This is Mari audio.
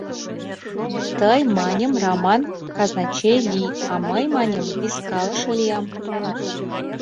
— Тый, маньым, Раман, казначей лий, а мый, маньым, вискалыше лиям.